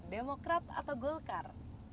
demokrat atau golkar